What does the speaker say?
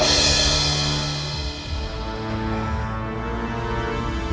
ini hanya salah paham saja dinda